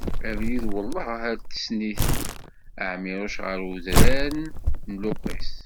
Abrid Welleh ar tessen-it, Ɛmiruc ɣer udran n Luris.